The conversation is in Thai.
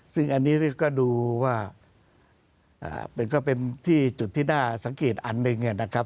ซึ่งอันนี้ก็ดูว่าก็เป็นที่จุดที่น่าสังเกตอันหนึ่งนะครับ